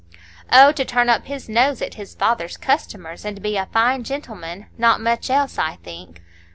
"Oh! to turn up his nose at his father's customers, and be a fine gentleman,—not much else, I think."